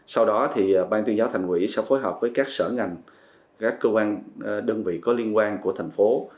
sau đó thì ban tuyên giáo thành quỹ sẽ phối hợp với các sở ngành các cơ quan đơn vị có liên quan của thành phố